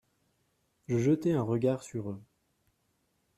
Je jetai un regard sur eux.